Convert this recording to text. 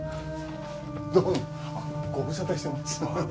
どうもご無沙汰してます。